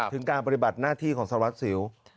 ถึงการปฏิบัติหน้าที่ของสารวัสสิว